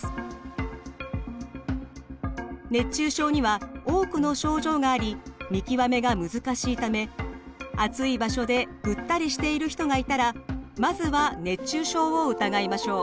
熱中症には多くの症状があり見極めが難しいため暑い場所でぐったりしている人がいたらまずは熱中症を疑いましょう。